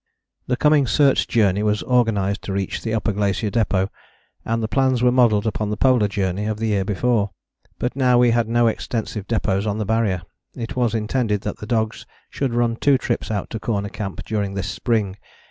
The coming Search Journey was organized to reach the Upper Glacier Depôt, and the plans were modelled upon the Polar Journey of the year before. But now we had no extensive depôts on the Barrier. It was intended that the dogs should run two trips out to Corner Camp during this spring.